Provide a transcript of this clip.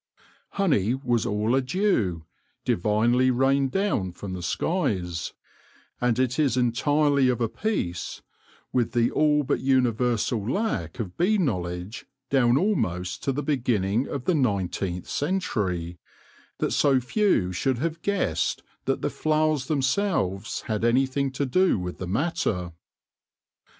Honey was all a dew, divinely rained down from the skies j and it is en tirely of a piece with the all but universal lack of bee knowledge down almost to the beginning of the nineteenth century, that so few should have guessed that the flowers themselves had anything to do with the matter.